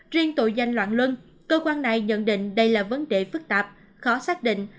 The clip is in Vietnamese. riêng tội danh loạn luân cơ quan này nhận định đây là vấn đề phức tạp khó xác định